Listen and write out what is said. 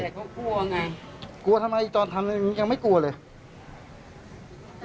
แต่เขากลัวไงกลัวทำไมตอนทำยังไม่กลัวเลย